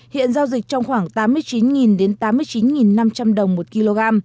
hiện giao dịch trong khoảng tám mươi chín đến tám mươi chín năm trăm linh đồng một kg